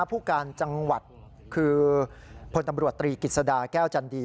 ผู้การจังหวัดคือพลตำรวจตรีกิจสดาแก้วจันดี